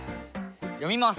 読みます！